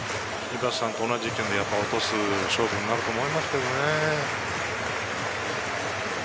井端さんと同じ意見で落とす勝負になると思いますけれどね。